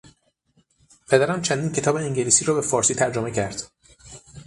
پدرم چندین کتاب انگلیسی را به فارسی ترجمه کرد.